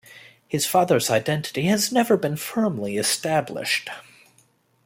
His father's identity has never been firmly established.